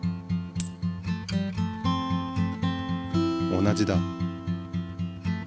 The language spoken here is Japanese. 同じだ。